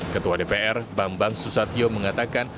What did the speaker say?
ketua dpr bambang susatyo mengatakan